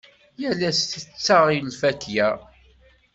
Yal ass tetteɣ lfakya.